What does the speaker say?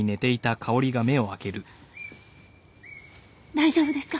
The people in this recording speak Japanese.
大丈夫ですか？